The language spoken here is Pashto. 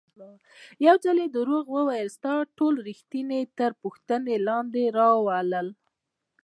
یو ځل دروغ ویل ستا ټول ریښتیا تر پوښتنې لاندې راولي.